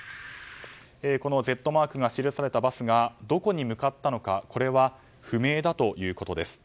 このＺマークが記されたバスがどこに向かったのかそれは不明だということです。